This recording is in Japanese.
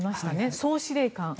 総司令官。